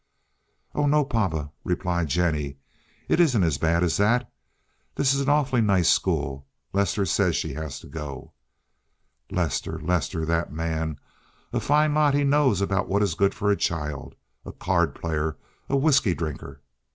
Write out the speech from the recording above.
"Oh no, papa," replied Jennie. "It isn't as bad as that. This is an awful nice school. Lester says she has to go." "Lester, Lester; that man! A fine lot he knows about what is good for a child. A card player, a whisky drinker!"